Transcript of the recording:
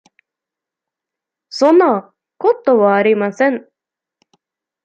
そんなことはありません。